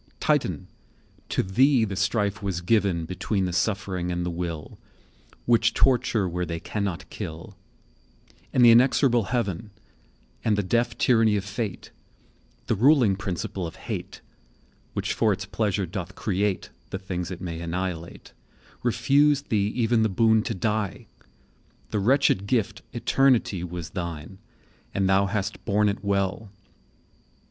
II. Titan! to thee the strife was given Between the suffering and the will, Which torture where they cannot kill; And the inexorable Heaven, And the deaf tyranny of Fate, The ruling principle of Hate,20 Which for its pleasure doth create The things it may annihilate, Refused thee even the boon to die: The wretched gift Eternity Was thine—and thou hast borne it well.